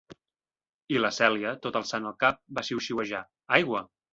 I la Celia, tot alçant el cap, va xiuxiuejar: "Aigua!".